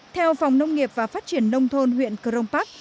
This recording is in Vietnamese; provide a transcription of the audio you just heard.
theo phòng nông nghiệp và phát triển nông thôn huyện cronpac